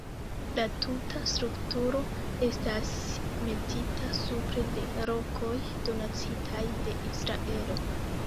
La tuta strukturo estas metita supre de rokoj donacitaj de Israelo.